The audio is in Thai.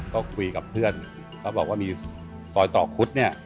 ก็คุยกับเพื่อนเขาบอกว่ามีซอยต่อคุดเนี่ย